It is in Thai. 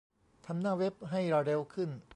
ทำหน้าเว็บให้เร็วขึ้น